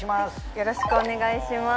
よろしくお願いします。